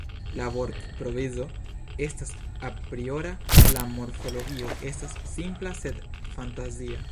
La vortprovizo estas apriora, la morfologio estas simpla sed fantazia.